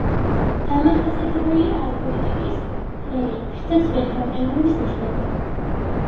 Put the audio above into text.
დამახასიათებელია ალპური ტიპის რელიეფი და ძველი გამყინვარების ნიშნები.